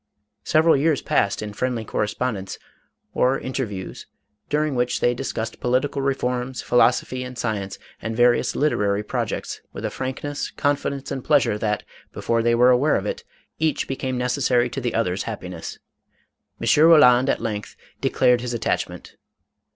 Several years passed in friendly correspondence, or interviews, daring which they discussed political re forms, philosophy and science, and various literary pro jects, with a frankness, confidence and pleasure $h at. before they were aware of it, each became necessary to the other's happiness. M. Koland at length declared his attachment.